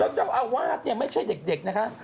แล้วเจ้าอาวาสไม่ใช่เด็กนะคะ